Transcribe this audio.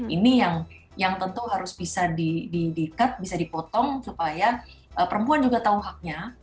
ini yang tentu harus bisa di cut bisa dipotong supaya perempuan juga tahu haknya